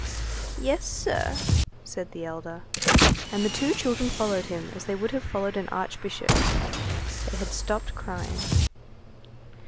"Yes, sir," said the elder. And the two children followed him as they would have followed an archbishop. They had stopped crying.